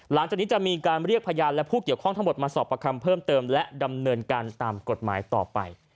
หลังจากนี้จะมีการเรียกพยานและผู้เกี่ยวข้องทั้งหมดมาสอบประคำเพิ่มเติมและดำเนินการตามกฎหมายต่อไป